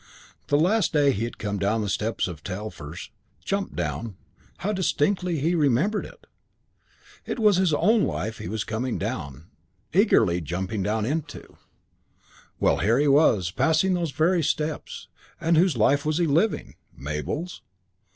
The last day he had come down the steps of Telfer's jumped down how distinctly he remembered it! It was his own life he was coming down, eagerly jumping down, into. Well, here he was, passing those very steps, and whose life was he living? Mabel's?